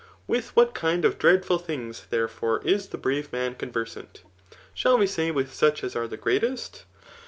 With what kind of dreadful things, therefore, is the brave man conversant ? Shall we say with such as are the greatest?